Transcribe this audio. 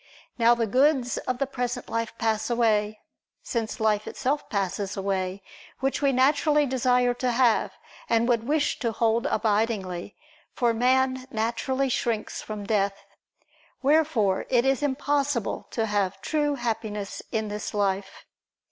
Now the goods of the present life pass away; since life itself passes away, which we naturally desire to have, and would wish to hold abidingly, for man naturally shrinks from death. Wherefore it is impossible to have true Happiness in this life.